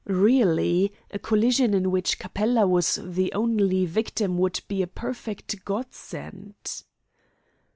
Really, a collision in which Capella was the only victim would be a perfect godsend."